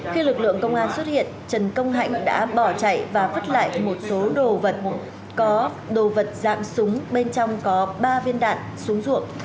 khi lực lượng công an xuất hiện trần công hạnh đã bỏ chạy và vứt lại một số đồ vật có đồ vật dạng súng bên trong có ba viên đạn xuống ruộng